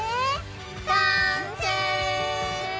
完成！